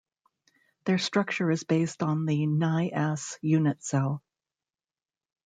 Their structure is based on the NiAs unit cell.